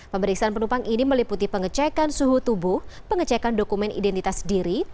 pemeriksaan penumpang ini meliputi pengecekan suhu tubuh pengecekan dokumen identitas diri